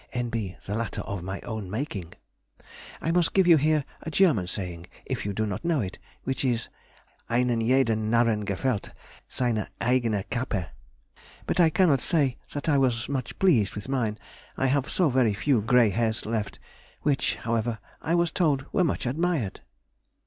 (N.B.—The latter of my own making.) I must give you here a German saying, if you do not know it, which is, "Einen jeden Narren gefällt seine eigene Cappe!" but I cannot say that I was much pleased with mine, I have so very few grey hairs left, which, however, I was told were much admired!